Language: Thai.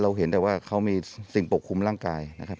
เห็นแต่ว่าเขามีสิ่งปกคลุมร่างกายนะครับ